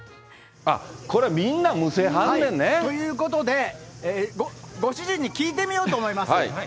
これ、みんな、むせはんねんね。ということで、ご主人に聞いてみようと思います。